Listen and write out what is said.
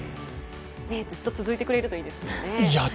ずっと続いてくれるといいですよね。